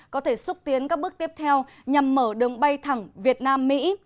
có thể xúc tiến các bước tiếp theo nhằm mở đường bay thẳng việt nam mỹ